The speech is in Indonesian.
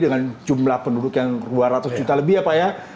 dengan jumlah penduduk yang dua ratus juta lebih ya pak ya